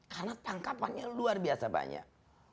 karena tangkapannya luar biasa banyak